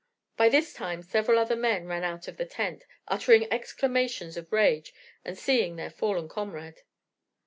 By this time several other, men ran out of the tent, uttering exclamations of rage at seeing their fallen comrade.